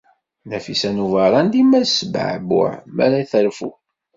Nafisa n Ubeṛṛan dima tesbeɛbuɛ mi ara terfu.